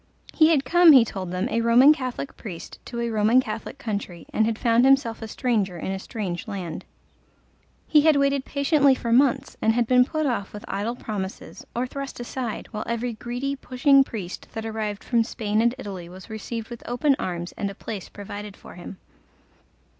He had come, he told them, a Roman Catholic priest to a Roman Catholic country, and had found himself a stranger in a strange land. He had waited patiently for months, and had been put off with idle promises or thrust aside, while every greedy pushing priest that arrived from Spain and Italy was received with open arms and a place provided for him.